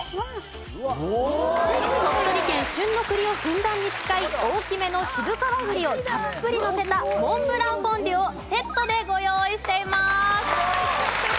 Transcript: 鳥取県旬の栗をふんだんに使い大きめの渋皮栗をたっぷりのせたモンブランフォンデュをセットでご用意しています。